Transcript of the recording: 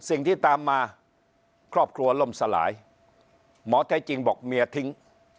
สิ่งที่ตามมาครอบครัวล่มสลายหมอแท้จริงบอกเมียทิ้ง